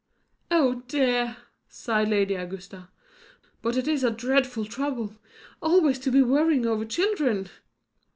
"Oh dear!" sighed Lady Augusta. "But it is a dreadful trouble, always to be worrying over children."